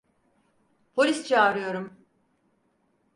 Polis çağırıyorum.